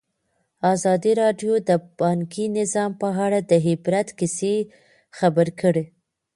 ازادي راډیو د بانکي نظام په اړه د عبرت کیسې خبر کړي.